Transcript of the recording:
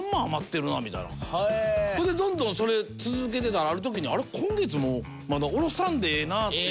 それでどんどんそれ続けてたらある時に今月もまだ下ろさんでええなっていう。